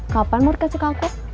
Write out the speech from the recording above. kapan murka cik aku